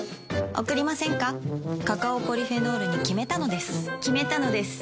カカオポリフェノールに決めたのです決めたのです。